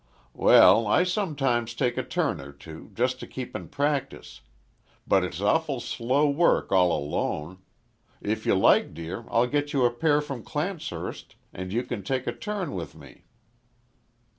"Well, I sometimes take a turn or two, just to keep in practice. But it's awful slow work all alone. If you like, dear, I'll get you a pair from Clancehurst and you can take a turn with me."